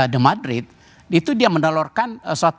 the madrid itu dia mendolorkan